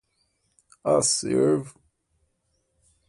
acervo